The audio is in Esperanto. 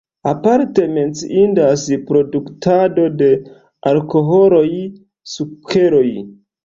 Aparte menciindas produktado de alkoholoj, sukeroj.